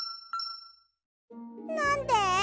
なんで？